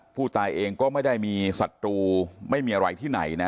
ผู้ตายเองก็ไม่ได้มีศัตรูไม่มีอะไรที่ไหนนะ